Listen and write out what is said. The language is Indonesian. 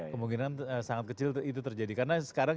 kemungkinan sangat kecil itu terjadi karena sekarang